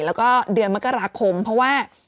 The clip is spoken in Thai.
แล้วก็เดือนมกราคมเพราะว่า